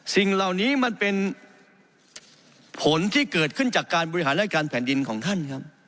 สิ่งเหล่านี้มันเป็นผลที่เกิดขึ้นจากการบริหารราชการแผ่นดินของท่านครับ